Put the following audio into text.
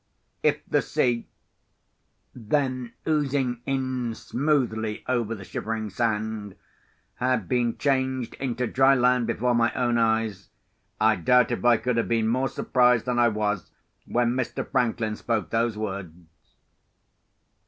If the sea, then oozing in smoothly over the Shivering Sand, had been changed into dry land before my own eyes, I doubt if I could have been more surprised than I was when Mr. Franklin spoke those words.